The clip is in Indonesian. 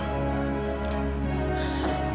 udah lah mila